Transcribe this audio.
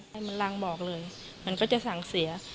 ให้มันรังบอกเลยมันก็จะสั่งเสีย